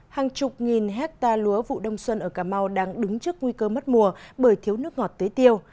hàng chục nghìn hectare lúa vụ đông xuân ở cà mau đang đứng trước nguy cơ mất mùa bởi thiếu nước ngọt tế tiêu